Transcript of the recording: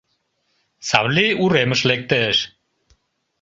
Савлий уремыш лектеш.